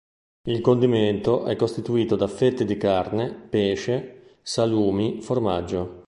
Il condimento è costituito da fette di carne, pesce, salumi, formaggio.